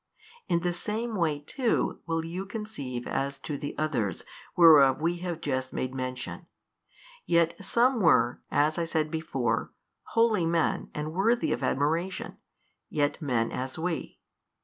In the same way too will you conceive as to the others whereof we have just made mention, yet were some (as I said before) holy men and worthy of admiration, yet men as we.